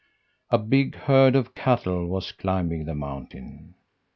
"A big herd of cattle was climbing the mountain.